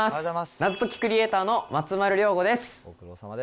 謎解きクリエイターの松丸亮吾です。